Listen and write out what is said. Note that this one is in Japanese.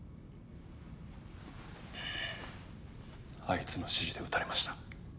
あいつの指示で撃たれました。